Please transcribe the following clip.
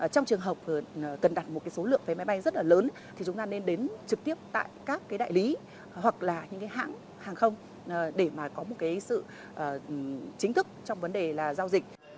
trong trường hợp cần đặt một cái số lượng vé máy bay rất là lớn thì chúng ta nên đến trực tiếp tại các cái đại lý hoặc là những cái hãng hàng không để mà có một cái sự chính thức trong vấn đề là giao dịch